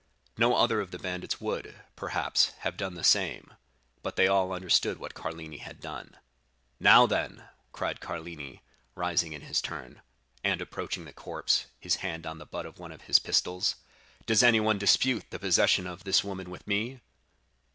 No other of the bandits would, perhaps, have done the same; but they all understood what Carlini had done. "'Now, then,' cried Carlini, rising in his turn, and approaching the corpse, his hand on the butt of one of his pistols, 'does anyone dispute the possession of this woman with me?